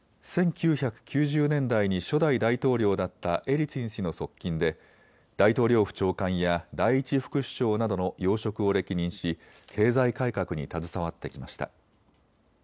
１９９０年代に初代大統領だったエリツィン氏の側近で大統領府長官や第１副首相などの要職を歴任し、経済改革に携わってきました。